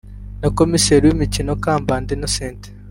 na komiseri w’ umukino Kambanda Innocent